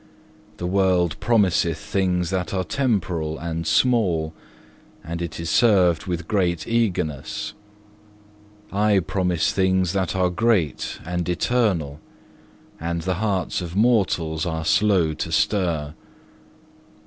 The world promiseth things that are temporal and small, and it is served with great eagerness. I promise things that are great and eternal, and the hearts of mortals are slow to stir.